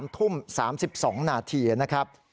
๓ทุ่ม๓๒นาทีนะครับ